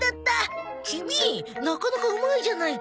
キミなかなかうまいじゃないか。